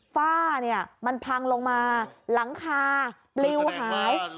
ฝ้าเนี่ยมันพังลงมาหลังคาปลิวหาย